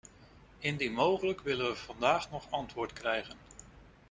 Indien mogelijk willen we vandaag nog antwoord krijgen.